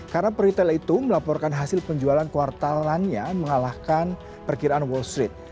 karena peritel itu melaporkan hasil penjualan kuartalannya mengalahkan perkiraan wall street